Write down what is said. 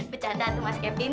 bercanda tuh mas kevin